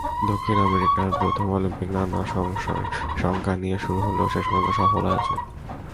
দক্ষিণ আমেরিকায় প্রথম অলিম্পিক, নানা সংশয়-শঙ্কা নিয়ে শুরু হলেও শেষ পর্যন্ত সফল আয়োজন।